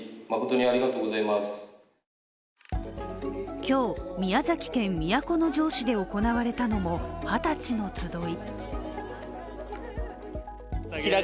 今日、宮崎県都城市で行われたのもはたちの集い。